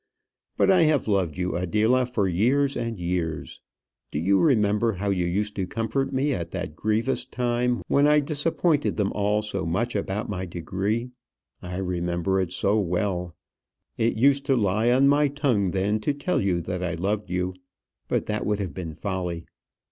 But I have loved you, Adela, for years and years. Do you remember how you used to comfort me at that grievous time, when I disappointed them all so much about my degree? I remember it so well. It used to lie on my tongue then to tell you that I loved you; but that would have been folly.